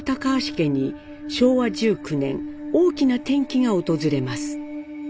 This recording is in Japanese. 家に昭和１９年大きな転機が訪れます。